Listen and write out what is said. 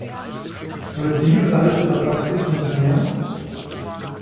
Wird dies alles in der Praxis funktionieren?